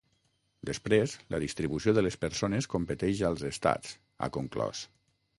Després, la distribució de les persones competeix als estats, ha conclòs.